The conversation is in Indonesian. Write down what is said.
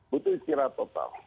butuh istirahat total